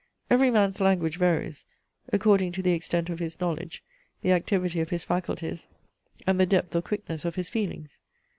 Every man's language varies, according to the extent of his knowledge, the activity of his faculties, and the depth or quickness of his feelings.